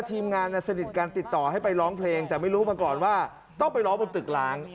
ทีมงานสนิทกันติดต่อให้ไปร้องเพลงแต่ไม่รู้มาก่อนว่าต้องไปร้องบนตึกล้าง